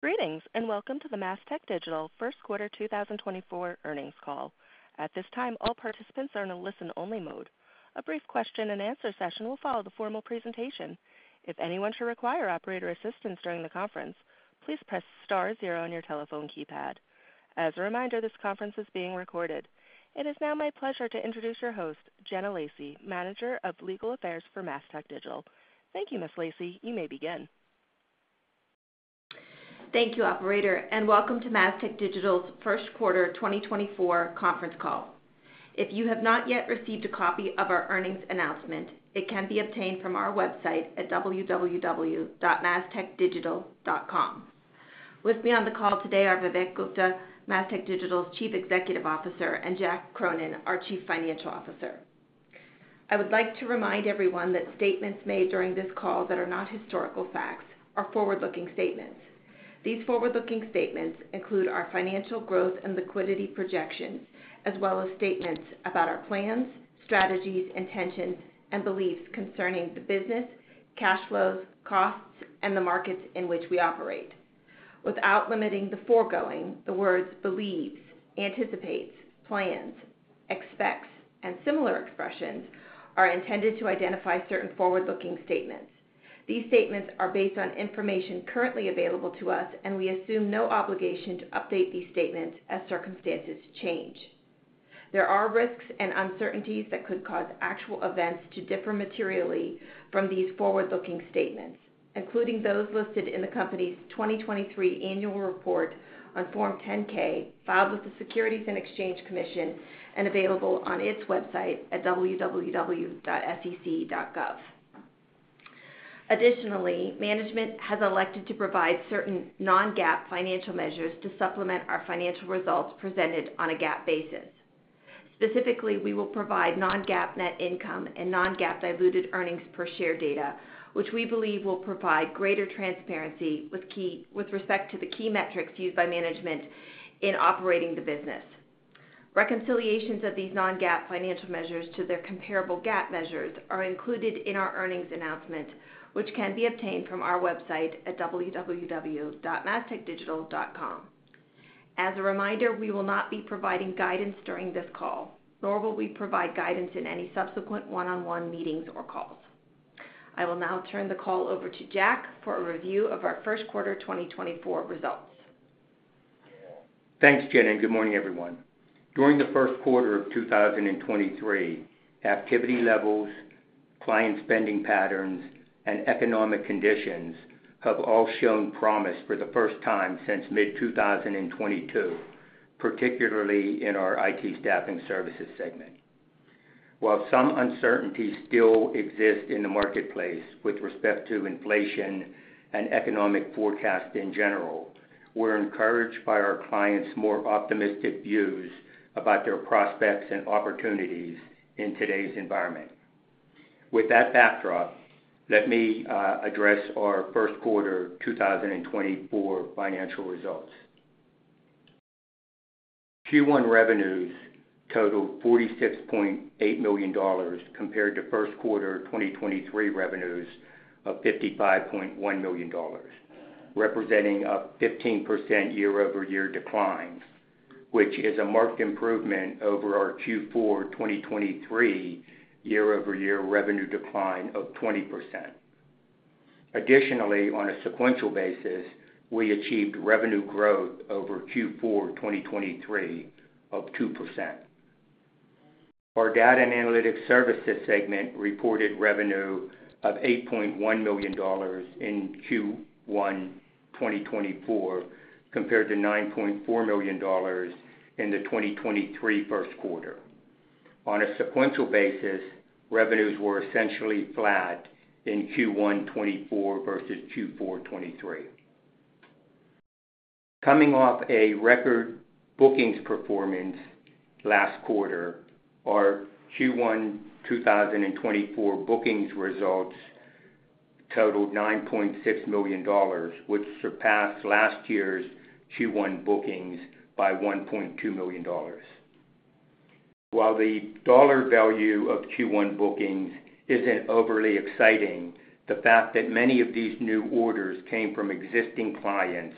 Greetings and welcome to the Mastech Digital first quarter 2024 earnings call. At this time, all participants are in a listen-only mode. A brief question-and-answer session will follow the formal presentation. If anyone should require operator assistance during the conference, please press star zero on your telephone keypad. As a reminder, this conference is being recorded. It is now my pleasure to introduce your host, Jenna Lacey, Manager of Legal Affairs for Mastech Digital. Thank you, Ms. Lacey. You may begin. Thank you, Operator, and welcome to Mastech Digital's first quarter 2024 conference call. If you have not yet received a copy of our earnings announcement, it can be obtained from our website at www.mastechdigital.com. With me on the call today are Vivek Gupta, Mastech Digital's Chief Executive Officer, and Jack Cronin, our Chief Financial Officer. I would like to remind everyone that statements made during this call that are not historical facts are forward-looking statements. These forward-looking statements include our financial growth and liquidity projections, as well as statements about our plans, strategies, intentions, and beliefs concerning the business, cash flows, costs, and the markets in which we operate. Without limiting the foregoing, the words "believes," "anticipates," "plans," "expects," and similar expressions are intended to identify certain forward-looking statements. These statements are based on information currently available to us, and we assume no obligation to update these statements as circumstances change. There are risks and uncertainties that could cause actual events to differ materially from these forward-looking statements, including those listed in the company's 2023 annual report on Form 10-K filed with the Securities and Exchange Commission and available on its website at www.sec.gov. Additionally, management has elected to provide certain non-GAAP financial measures to supplement our financial results presented on a GAAP basis. Specifically, we will provide non-GAAP net income and non-GAAP diluted earnings per share data, which we believe will provide greater transparency with respect to the key metrics used by management in operating the business. Reconciliations of these non-GAAP financial measures to their comparable GAAP measures are included in our earnings announcement, which can be obtained from our website at www.mastechdigital.com. As a reminder, we will not be providing guidance during this call, nor will we provide guidance in any subsequent one-on-one meetings or calls. I will now turn the call over to Jack for a review of our first quarter 2024 results. Thanks, Jenna, and good morning, everyone. During the first quarter of 2023, activity levels, client spending patterns, and economic conditions have all shown promise for the first time since mid-2022, particularly in our IT staffing services segment. While some uncertainties still exist in the marketplace with respect to inflation and economic forecasts in general, we're encouraged by our clients' more optimistic views about their prospects and opportunities in today's environment. With that backdrop, let me address our first quarter 2024 financial results. Q1 revenues totaled $46.8 million compared to first quarter 2023 revenues of $55.1 million, representing a 15% year-over-year decline, which is a marked improvement over our Q4 2023 year-over-year revenue decline of 20%. Additionally, on a sequential basis, we achieved revenue growth over Q4 2023 of 2%. Our data and analytics services segment reported revenue of $8.1 million in Q1 2024 compared to $9.4 million in the 2023 first quarter. On a sequential basis, revenues were essentially flat in Q1 2024 versus Q4 2023. Coming off a record bookings performance last quarter, our Q1 2024 bookings results totaled $9.6 million, which surpassed last year's Q1 bookings by $1.2 million. While the dollar value of Q1 bookings isn't overly exciting, the fact that many of these new orders came from existing clients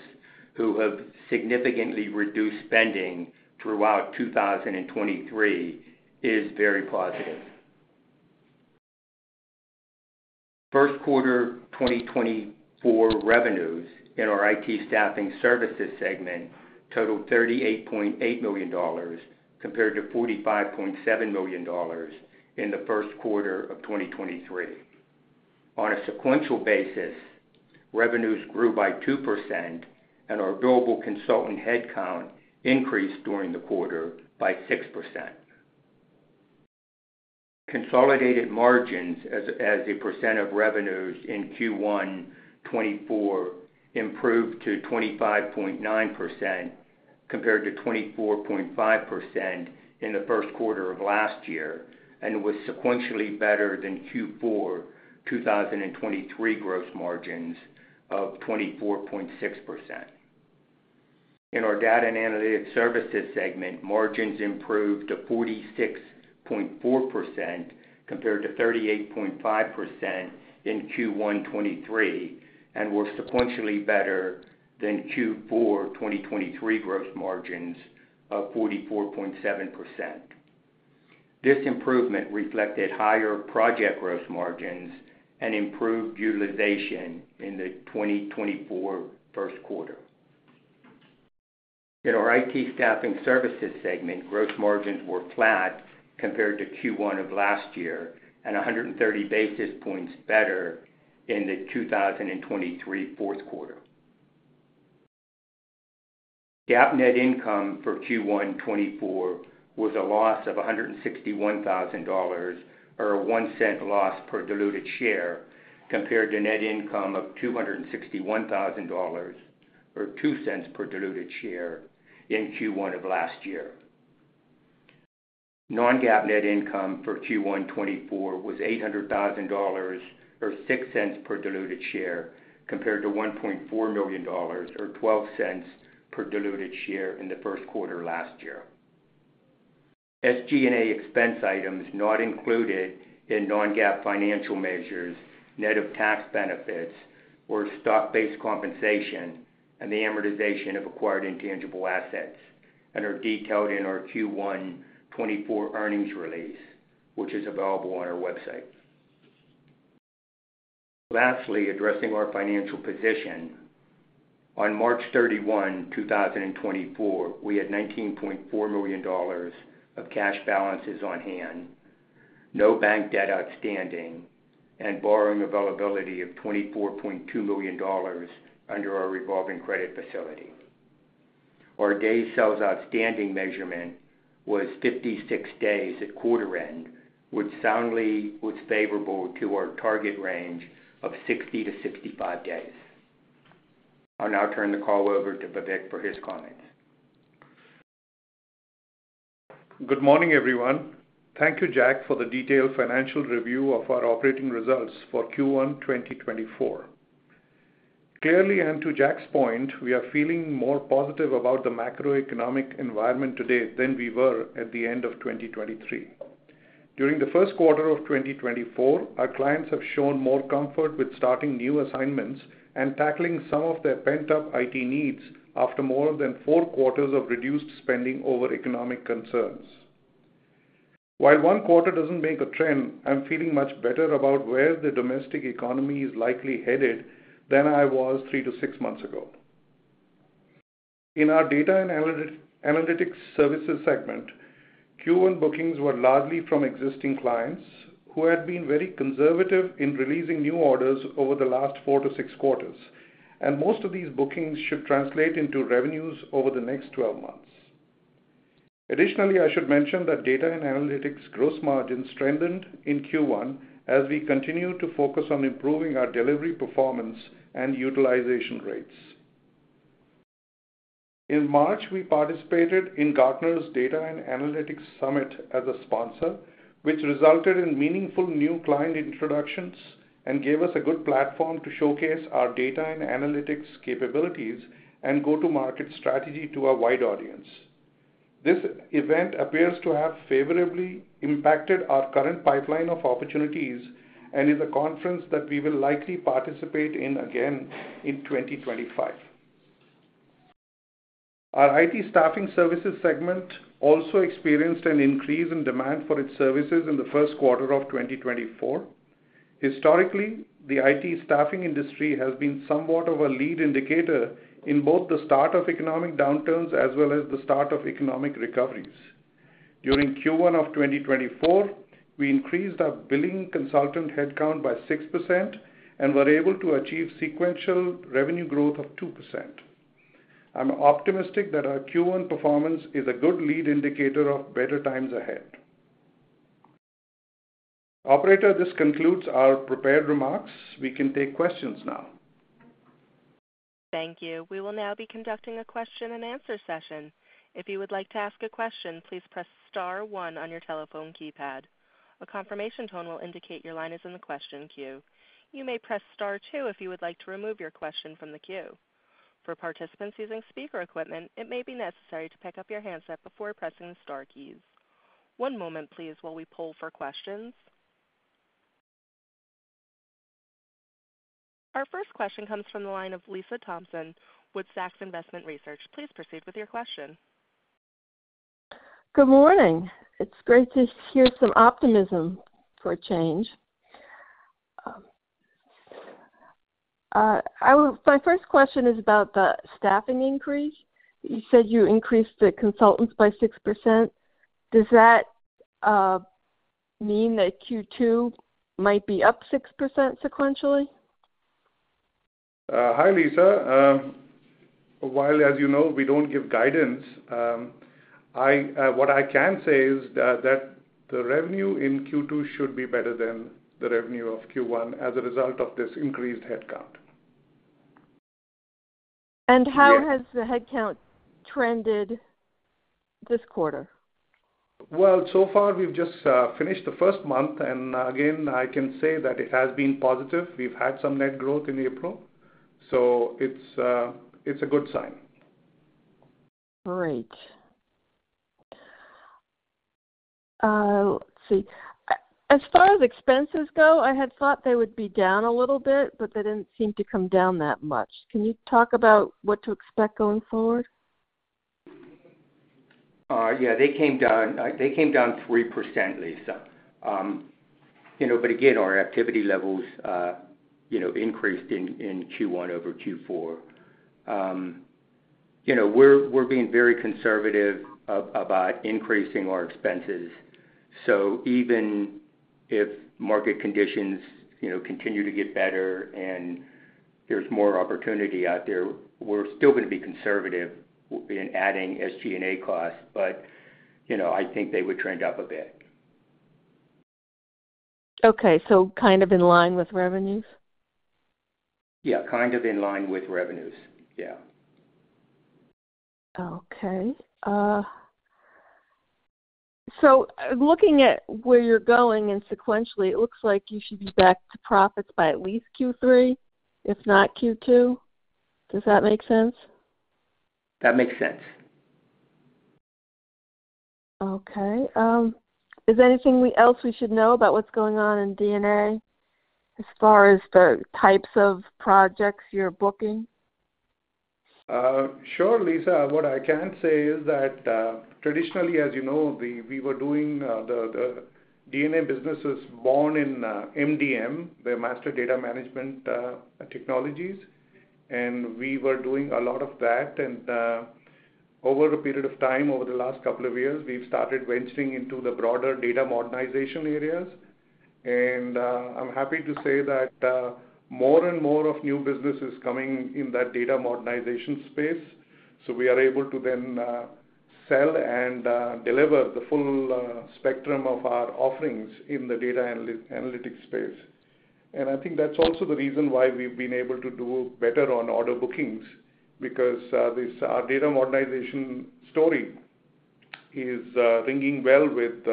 who have significantly reduced spending throughout 2023 is very positive. First quarter 2024 revenues in our IT staffing services segment totaled $38.8 million compared to $45.7 million in the first quarter of 2023. On a sequential basis, revenues grew by 2%, and our durable consultant headcount increased during the quarter by 6%. Consolidated margins, as a percent of revenues in Q1 2024, improved to 25.9% compared to 24.5% in the first quarter of last year and was sequentially better than Q4 2023 gross margins of 24.6%. In our data and analytics services segment, margins improved to 46.4% compared to 38.5% in Q1 2023 and were sequentially better than Q4 2023 gross margins of 44.7%. This improvement reflected higher project gross margins and improved utilization in the 2024 first quarter. In our IT staffing services segment, gross margins were flat compared to Q1 of last year and 130 basis points better in the 2023 fourth quarter. GAAP net income for Q1 2024 was a loss of $161,000 or a $0.01 loss per diluted share compared to net income of $261,000 or $0.02 per diluted share in Q1 of last year. Non-GAAP net income for Q1 2024 was $800,000 or $0.06 per diluted share compared to $1.4 million or $0.12 per diluted share in the first quarter last year. SG&A expense items not included in non-GAAP financial measures, net of tax benefits, or stock-based compensation and the amortization of acquired intangible assets, and are detailed in our Q1 2024 earnings release, which is available on our website. Lastly, addressing our financial position, on March 31, 2024, we had $19.4 million of cash balances on hand, no bank debt outstanding, and borrowing availability of $24.2 million under our Revolving Credit Facility. Our Day Sales Outstanding measurement was 56 days at quarter end, which soundly was favorable to our target range of 60-65 days. I'll now turn the call over to Vivek for his comments. Good morning, everyone. Thank you, Jack, for the detailed financial review of our operating results for Q1 2024. Clearly, and to Jack's point, we are feeling more positive about the macroeconomic environment today than we were at the end of 2023. During the first quarter of 2024, our clients have shown more comfort with starting new assignments and tackling some of their pent-up IT needs after more than four quarters of reduced spending over economic concerns. While one quarter doesn't make a trend, I'm feeling much better about where the domestic economy is likely headed than I was three to six months ago. In our data and analytics services segment, Q1 bookings were largely from existing clients who had been very conservative in releasing new orders over the last four to six quarters, and most of these bookings should translate into revenues over the next 12 months. Additionally, I should mention that data and analytics gross margins strengthened in Q1 as we continue to focus on improving our delivery performance and utilization rates. In March, we participated in Gartner's Data & Analytics Summit as a sponsor, which resulted in meaningful new client introductions and gave us a good platform to showcase our data and analytics capabilities and go-to-market strategy to a wide audience. This event appears to have favorably impacted our current pipeline of opportunities and is a conference that we will likely participate in again in 2025. Our IT staffing services segment also experienced an increase in demand for its services in the first quarter of 2024. Historically, the IT staffing industry has been somewhat of a lead indicator in both the start of economic downturns as well as the start of economic recoveries. During Q1 of 2024, we increased our billing consultant headcount by 6% and were able to achieve sequential revenue growth of 2%. I'm optimistic that our Q1 performance is a good lead indicator of better times ahead. Operator, this concludes our prepared remarks. We can take questions now. Thank you. We will now be conducting a question-and-answer session. If you would like to ask a question, please press star one on your telephone keypad. A confirmation tone will indicate your line is in the question queue. You may press star two if you would like to remove your question from the queue. For participants using speaker equipment, it may be necessary to pick up your handset before pressing the star keys. One moment, please, while we pull for questions. Our first question comes from the line of Lisa Thompson with Zacks Investment Research. Please proceed with your question. Good morning. It's great to hear some optimism for change. My first question is about the staffing increase. You said you increased the consultants by 6%. Does that mean that Q2 might be up 6% sequentially? Hi, Lisa. While, as you know, we don't give guidance, what I can say is that the revenue in Q2 should be better than the revenue of Q1 as a result of this increased headcount. How has the headcount trended this quarter? Well, so far, we've just finished the first month. And again, I can say that it has been positive. We've had some net growth in April, so it's a good sign. Great. Let's see. As far as expenses go, I had thought they would be down a little bit, but they didn't seem to come down that much. Can you talk about what to expect going forward? Yeah, they came down 3%, Lisa. But again, our activity levels increased in Q1 over Q4. We're being very conservative about increasing our expenses. So even if market conditions continue to get better and there's more opportunity out there, we're still going to be conservative in adding SG&A costs, but I think they would trend up a bit. Okay, so kind of in line with revenues? Yeah, kind of in line with revenues. Yeah. Okay. So looking at where you're going in sequentially, it looks like you should be back to profits by at least Q3, if not Q2. Does that make sense? That makes sense. Okay. Is there anything else we should know about what's going on in D&A as far as the types of projects you're booking? Sure, Lisa. What I can say is that traditionally, as you know, we were doing the D&A business is born in MDM, the Master Data Management Technologies, and we were doing a lot of that. And over a period of time, over the last couple of years, we've started venturing into the broader data modernization areas. And I'm happy to say that more and more of new business is coming in that data modernization space. So we are able to then sell and deliver the full spectrum of our offerings in the data analytics space. And I think that's also the reason why we've been able to do better on order bookings because our data modernization story is ringing well with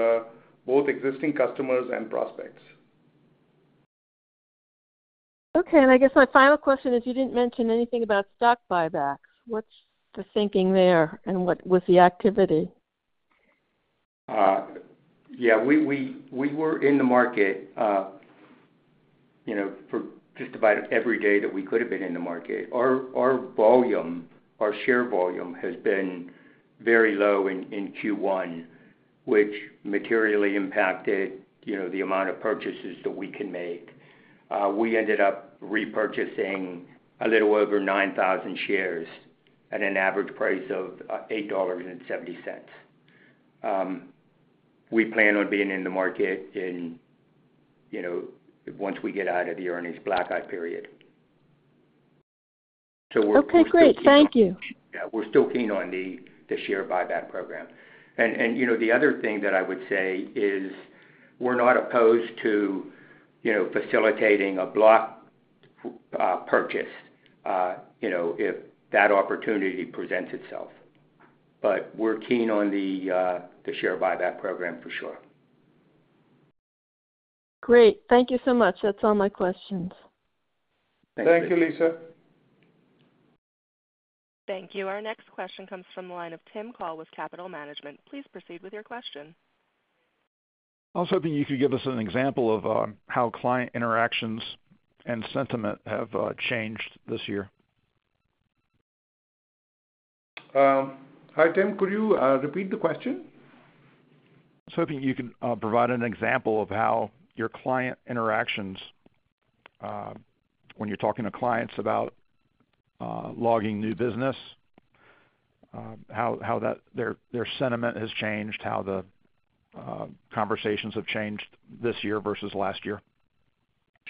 both existing customers and prospects. Okay. I guess my final question is you didn't mention anything about stock buybacks. What's the thinking there, and what was the activity? Yeah, we were in the market for just about every day that we could have been in the market. Our share volume has been very low in Q1, which materially impacted the amount of purchases that we can make. We ended up repurchasing a little over 9,000 shares at an average price of $8.70. We plan on being in the market once we get out of the earnings blackout period. So we're still keen. Okay, great. Thank you. Yeah, we're still keen on the share buyback program. The other thing that I would say is we're not opposed to facilitating a block purchase if that opportunity presents itself. We're keen on the share buyback program for sure. Great. Thank you so much. That's all my questions. Thank you. Thank you, Lisa. Thank you. Our next question comes from the line of Tim Call with Capital Management. Please proceed with your question. I was hoping you could give us an example of how client interactions and sentiment have changed this year. Hi, Tim. Could you repeat the question? I was hoping you could provide an example of how your client interactions, when you're talking to clients about logging new business, how their sentiment has changed, how the conversations have changed this year versus last year?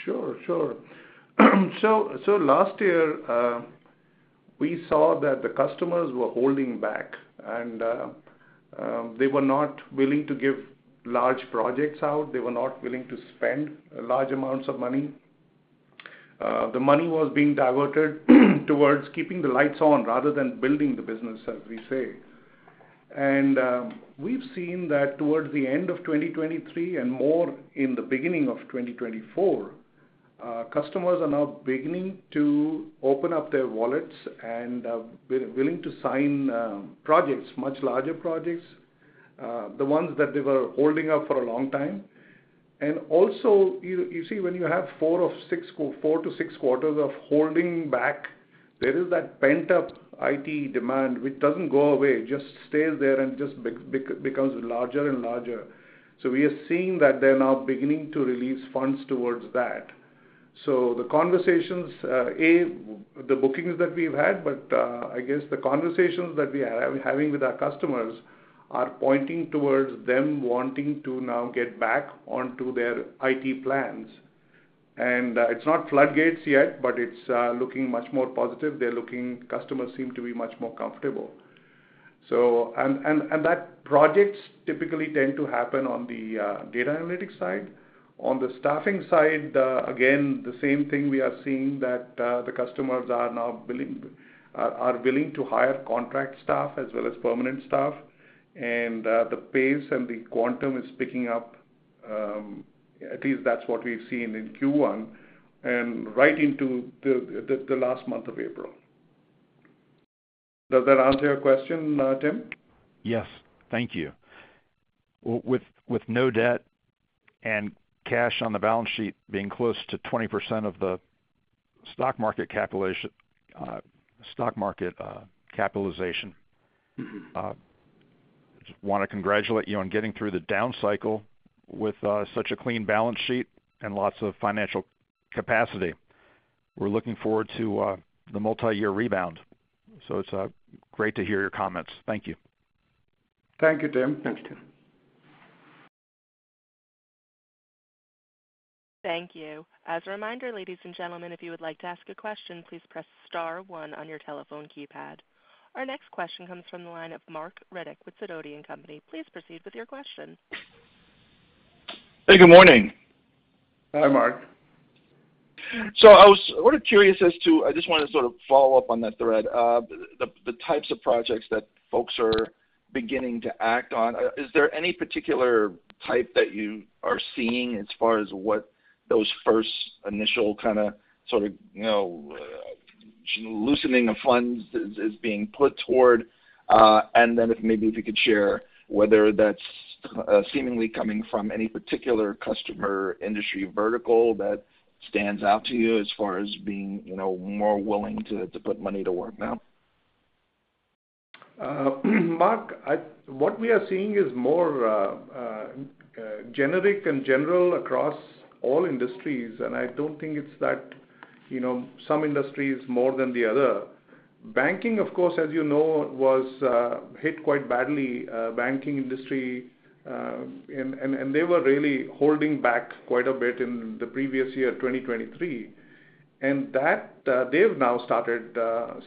Sure, sure. So last year, we saw that the customers were holding back, and they were not willing to give large projects out. They were not willing to spend large amounts of money. The money was being diverted towards keeping the lights on rather than building the business, as we say. And we've seen that towards the end of 2023 and more in the beginning of 2024, customers are now beginning to open up their wallets and are willing to sign projects, much larger projects, the ones that they were holding up for a long time. And also, you see, when you have four to six quarters of holding back, there is that pent-up IT demand, which doesn't go away, just stays there and just becomes larger and larger. So we are seeing that they're now beginning to release funds towards that. So the conversations, the bookings that we've had, but I guess the conversations that we are having with our customers are pointing towards them wanting to now get back onto their IT plans. And it's not floodgates yet, but it's looking much more positive. Customers seem to be much more comfortable. And that projects typically tend to happen on the data analytics side. On the staffing side, again, the same thing. We are seeing that the customers are now willing to hire contract staff as well as permanent staff. And the pace and the quantum is picking up. At least that's what we've seen in Q1 and right into the last month of April. Does that answer your question, Tim? Yes. Thank you. With no debt and cash on the balance sheet being close to 20% of the stock market capitalization, I just want to congratulate you on getting through the down cycle with such a clean balance sheet and lots of financial capacity. We're looking forward to the multi-year rebound. So it's great to hear your comments. Thank you. Thank you, Tim. Thanks, Tim. Thank you. As a reminder, ladies and gentlemen, if you would like to ask a question, please press star one on your telephone keypad. Our next question comes from the line of Marc Riddick with Sidoti & Company. Please proceed with your question. Hey, good morning. Hi, Marc. So I was sort of curious as to I just want to sort of follow up on that thread. The types of projects that folks are beginning to act on, is there any particular type that you are seeing as far as what those first initial kind of sort of loosening of funds is being put toward? And then maybe if you could share whether that's seemingly coming from any particular customer industry vertical that stands out to you as far as being more willing to put money to work now? Marc, what we are seeing is more generic and general across all industries. And I don't think it's that some industries more than the other. Banking, of course, as you know, was hit quite badly, banking industry. And they were really holding back quite a bit in the previous year, 2023. They've now started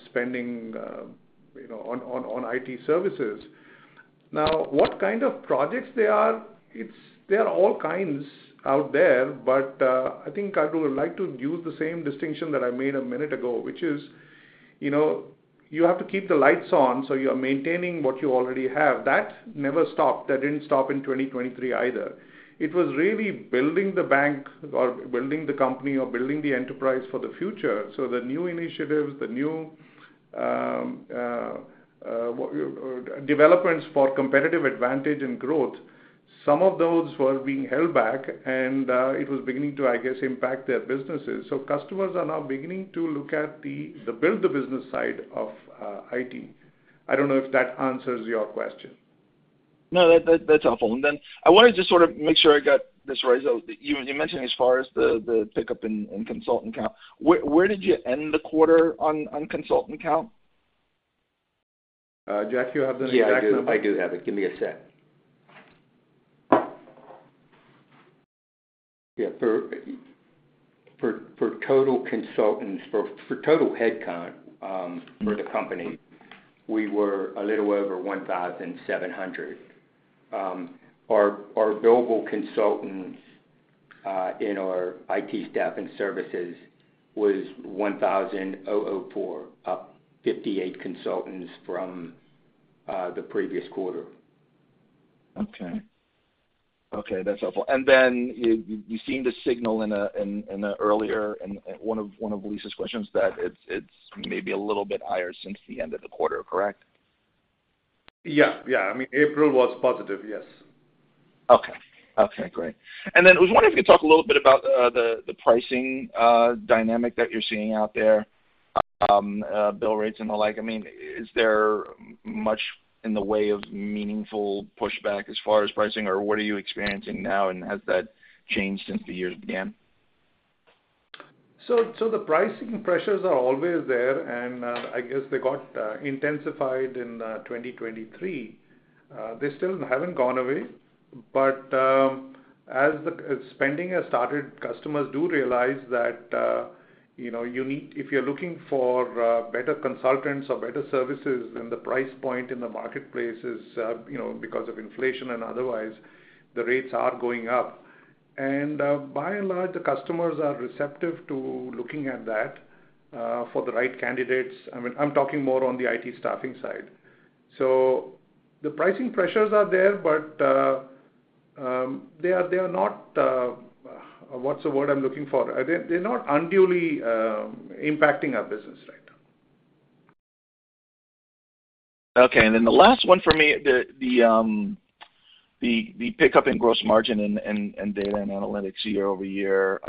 spending on IT services. Now, what kind of projects they are, there are all kinds out there. But I think I would like to use the same distinction that I made a minute ago, which is you have to keep the lights on so you are maintaining what you already have. That never stopped. That didn't stop in 2023 either. It was really building the bank or building the company or building the enterprise for the future. So the new initiatives, the new developments for competitive advantage and growth, some of those were being held back, and it was beginning to, I guess, impact their businesses. So customers are now beginning to look at the build the business side of IT. I don't know if that answers your question. No, that's helpful. And then I wanted to just sort of make sure I got this right. So you mentioned as far as the pickup in consultant count. Where did you end the quarter on consultant count? Jack, you have the exact number? Yeah, I do have it. Give me a sec. Yeah, for total consultants, for total headcount for the company, we were a little over 1,700. Our billable consultants in our IT Staffing Services was 1,004, up 58 consultants from the previous quarter. Okay. Okay, that's helpful. And then you seemed to signal in an earlier one of Lisa's questions that it's maybe a little bit higher since the end of the quarter, correct? Yeah. Yeah. I mean, April was positive. Yes. Okay. Okay, great. And then I was wondering if you could talk a little bit about the pricing dynamic that you're seeing out there, bill rates and the like. I mean, is there much in the way of meaningful pushback as far as pricing, or what are you experiencing now, and has that changed since the years began? So the pricing pressures are always there, and I guess they got intensified in 2023. They still haven't gone away. But as spending has started, customers do realize that if you're looking for better consultants or better services, then the price point in the marketplace is because of inflation and otherwise, the rates are going up. And by and large, the customers are receptive to looking at that for the right candidates. I mean, I'm talking more on the IT staffing side. So the pricing pressures are there, but they are not what's the word I'm looking for? They're not unduly impacting our business right now. Okay. And then the last one for me, the pickup in gross margin and data and analytics year-over-year,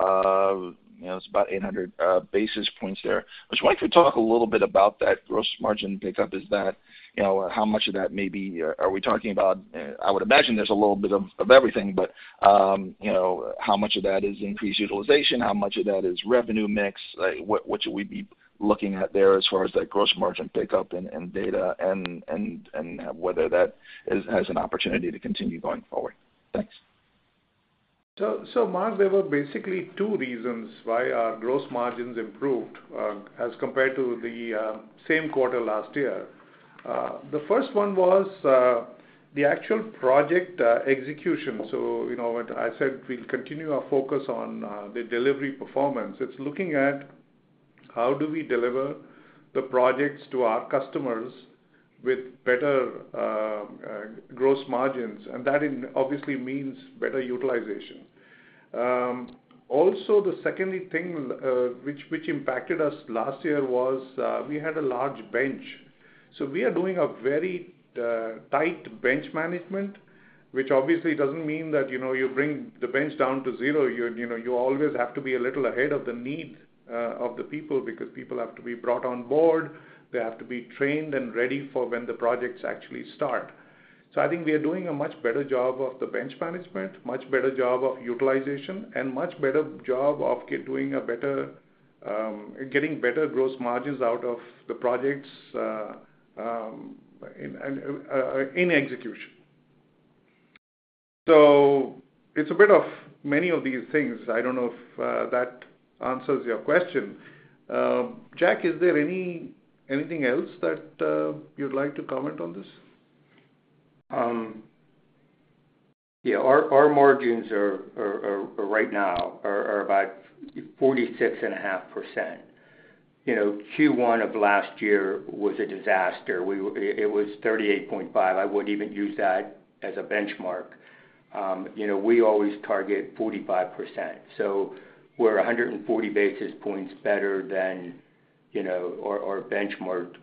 it's about 800 basis points there. I was wondering if you could talk a little bit about that gross margin pickup, is that how much of that maybe are we talking about? I would imagine there's a little bit of everything, but how much of that is increased utilization? How much of that is revenue mix? What should we be looking at there as far as that gross margin pickup and data and whether that has an opportunity to continue going forward? Thanks. So Mark, there were basically two reasons why our gross margins improved as compared to the same quarter last year. The first one was the actual project execution. So when I said we'll continue our focus on the delivery performance, it's looking at how do we deliver the projects to our customers with better gross margins? And that obviously means better utilization. Also, the second thing which impacted us last year was we had a large bench. So we are doing a very tight bench management, which obviously doesn't mean that you bring the bench down to zero. You always have to be a little ahead of the needs of the people because people have to be brought on board. They have to be trained and ready for when the projects actually start. So I think we are doing a much better job of the bench management, much better job of utilization, and much better job of getting better gross margins out of the projects in execution. So it's a bit of many of these things. I don't know if that answers your question. Jack, is there anything else that you'd like to comment on this? Yeah. Our margins right now are about 46.5%. Q1 of last year was a disaster. It was 38.5%. I wouldn't even use that as a benchmark. We always target 45%. So we're 140 basis points better than our benchmark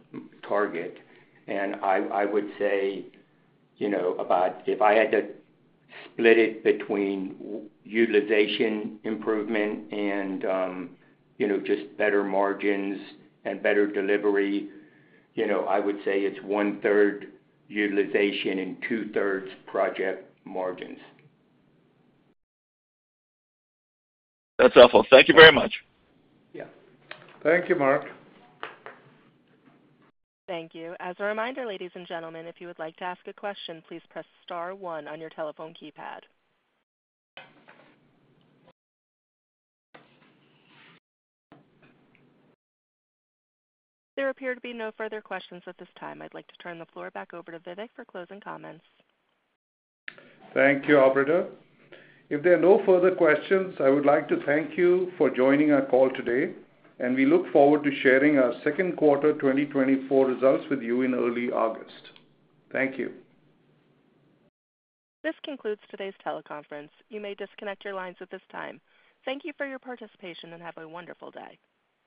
target. And I would say about if I had to split it between utilization improvement and just better margins and better delivery, I would say it's one-third utilization and two-thirds project margins. That's helpful. Thank you very much. Yeah. Thank you, Marc. Thank you. As a reminder, ladies and gentlemen, if you would like to ask a question, please press star one on your telephone keypad. There appear to be no further questions at this time. I'd like to turn the floor back over to Vivek for closing comments. Thank you, Operator. If there are no further questions, I would like to thank you for joining our call today. We look forward to sharing our second quarter 2024 results with you in early August. Thank you. This concludes today's teleconference. You may disconnect your lines at this time. Thank you for your participation, and have a wonderful day.